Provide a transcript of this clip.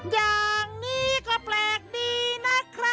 อย่างนี้ก็แปลกดีนะครับ